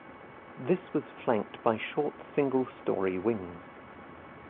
This was flanked by short single-storey wings.